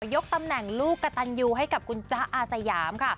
ยกตำแหน่งลูกกระตันยูให้กับคุณจ๊ะอาสยามค่ะ